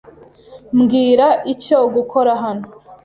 Mbwira icyo gukora hano.